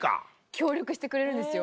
協力してくれるんですよ。